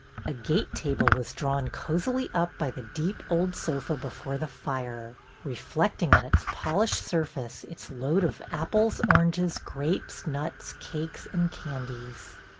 A gate table was drawn cosily up by the deep old sofa before the fire, reflecting on its polished surface its load of apples, oranges, grapes, nuts, cakes, and candies.